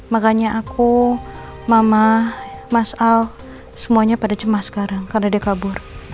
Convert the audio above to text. makanya aku mama mas al semuanya pada cemas sekarang karena dia kabur